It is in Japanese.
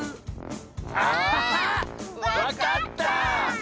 あわかった！